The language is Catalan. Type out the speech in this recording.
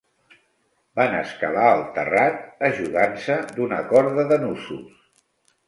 Van escalar el terrat ajudant-se d'una corda de nusos.